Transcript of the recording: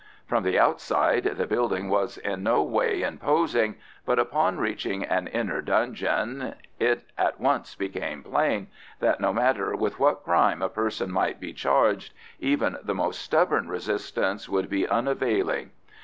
From the outside the building was in no way imposing, but upon reaching an inner dungeon it at once became plain that no matter with what crime a person might be charged, even the most stubborn resistance would be unavailing.